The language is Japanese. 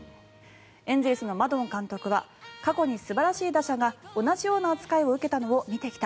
エンゼルスのマドン監督は過去に素晴らしい打者が同じような扱いを受けたのを見てきた。